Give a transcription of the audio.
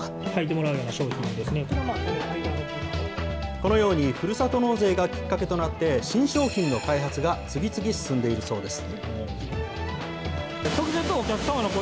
このように、ふるさと納税がきっかけとなって、新商品の開発が次々進んでいるそうです。